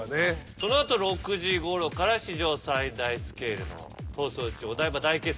その後６時ごろから史上最大スケールの『逃走中お台場大決戦！』